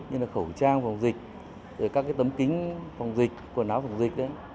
như là khẩu trang phòng dịch các tấm kính phòng dịch quần áo phòng dịch